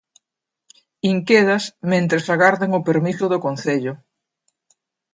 Inquedas mentres agardan o permiso do concello.